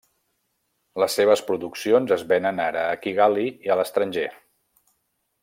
Les seves produccions es venen ara a Kigali i a l'estranger.